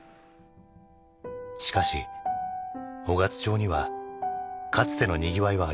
しかし雄勝町にはかつてのにぎわいはありません。